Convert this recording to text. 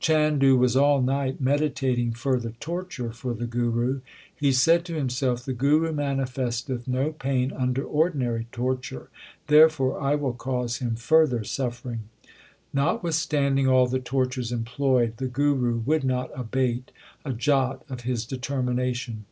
Chandu was all night meditating further torture for the Guru. He said to himself, * The Guru mani festeth no pain under ordinary torture, therefore I will cause him further suffering/ Notwithstanding all the tortures employed, the Guru would not abate a jot of his determination.